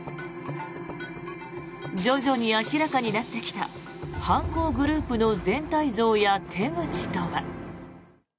徐々に明らかになってきた犯行グループの全体像や手口とは。